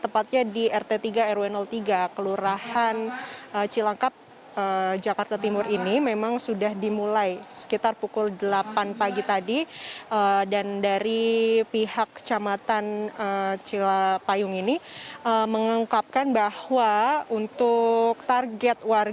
bagaimana proses vaksinasi di cilangkap jakarta timur